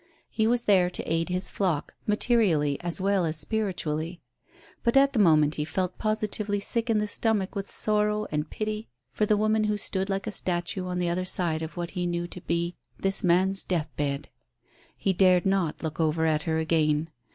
He was there to aid his flock, materially as well as spiritually, but at the moment he felt positively sick in the stomach with sorrow and pity for the woman who stood like a statue on the other side of what he knew to be this man's deathbed. He dared not look over at her again.